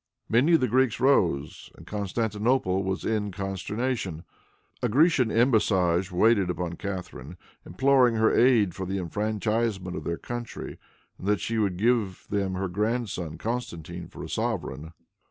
Many of the Greeks rose, and Constantinople was in consternation. A Grecian embassage waited upon Catharine, imploring her aid for the enfranchisement of their country, and that she would give them her grandson Constantine for a sovereign.